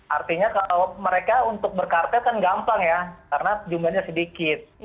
artinya kalau mereka untuk berkarpet kan gampang ya karena jumlahnya sedikit